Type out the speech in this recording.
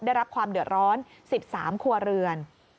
ได้รับความเดือดร้อน๑๓ครัวเรือน